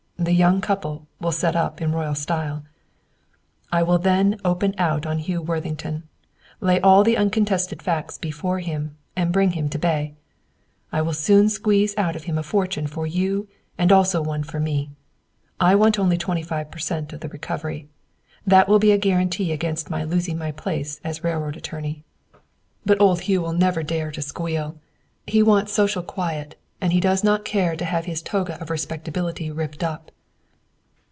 The young couple will set up in royal style. "I will then open out on Hugh Worthington, lay all the uncontested facts before him, and bring him to bay! I will soon squeeze out of him a fortune for you and also one for me. I only want twenty five per cent. of the recovery. That will be a guarantee against my losing my place as railroad attorney. But old Hugh will never dare to "squeal." He wants social quiet, and he does not care to have his toga of respectability ripped up."